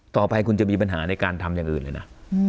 ต่อไปคุณจะมีปัญหาในการทำอย่างอื่นเลยนะ